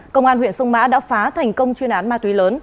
công an huyện sông mã đã phá thành công chuyên án ma túy lớn